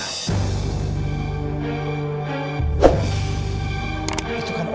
itu kan odi